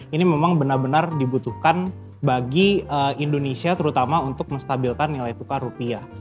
ini memang benar benar dibutuhkan bagi indonesia terutama untuk menstabilkan nilai tukar rupiah